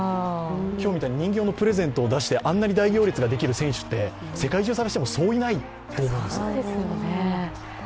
今日みたいに人形のプレゼントを出してあんなに大行列できる選手って世界中探しても、そういないと思うんですよね。